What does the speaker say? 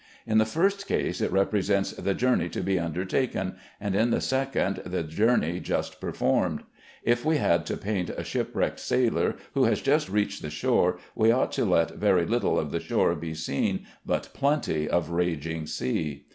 In the first case, it represents the journey to be undertaken, and in the second the journey just performed. If we had to paint a shipwrecked sailor who has just reached the shore, we ought to let very little of the shore be seen, but plenty of raging sea.